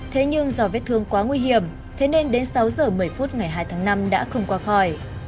thế nhưng do vết thương quá nguy hiểm thế nên đến sáu giờ một mươi phút ngày hai tháng năm đã không qua khỏi